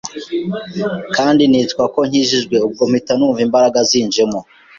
kandi nitwa ko nkijijwe, ubwo mpita numva imbaraga zinjemo